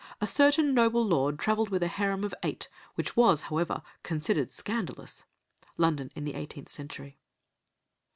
A certain noble lord travelled with a harem of eight, which was, however, considered scandalous." (_London in the Eighteenth Century.